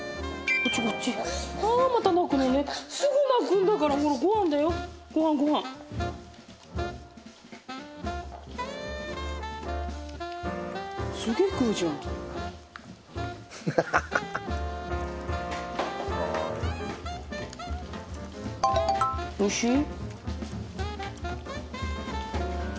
こっちこっちああまた鳴くのねすぐ鳴くんだからほらごはんだよごはんごはんすげえ食うじゃんハハハハかわいいおいしい？